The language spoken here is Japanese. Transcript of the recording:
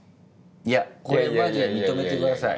いやこれマジで認めてください。